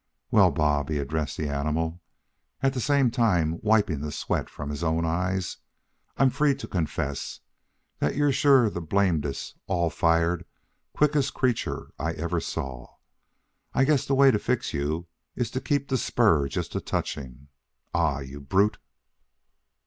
"Well, Bob," he addressed the animal, at the same time wiping the sweat from his own eyes, "I'm free to confess that you're sure the blamedest all fired quickest creature I ever saw. I guess the way to fix you is to keep the spur just a touching ah! you brute!"